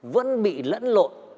vẫn bị lẫn lộn